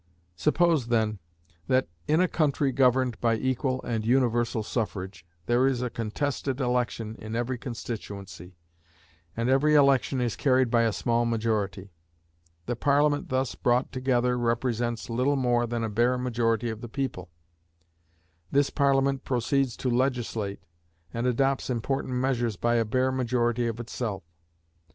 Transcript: Suppose, then, that, in a country governed by equal and universal suffrage, there is a contested election in every constituency, and every election is carried by a small majority. The Parliament thus brought together represents little more than a bare majority of the people. This Parliament proceeds to legislate, and adopts important measures by a bare majority of itself.